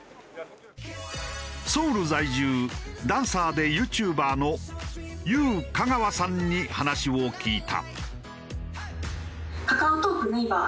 ソウル在住ダンサーでＹｏｕＴｕｂｅｒのＹｕＫａｇａｗａさんに話を聞いた。